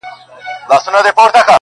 • ستا و ما لره بیا دار دی,